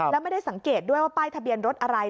แล้วไม่ได้สังเกตด้วยว่าป้ายทะเบียนรถอะไร